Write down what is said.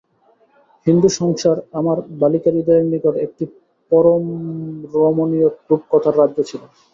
হিন্দুসংসার আমার বালিকাহৃদয়ের নিকট একটি পরমরমণীয় রূপকথার রাজ্য ছিল।